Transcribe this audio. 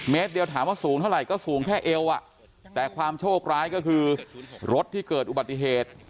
เดียวถามว่าสูงเท่าไหร่ก็สูงแค่เอวอ่ะแต่ความโชคร้ายก็คือรถที่เกิดอุบัติเหตุ